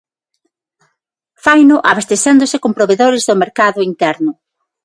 Faino abastecéndose con provedores do mercado interno.